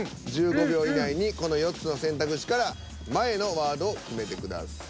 １５秒以内にこの４つの選択肢から前のワードを決めてください。